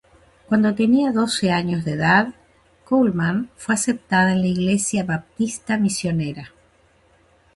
Cuando tenía doce años de edad, Coleman fue aceptada en la Iglesia Baptista Misionera.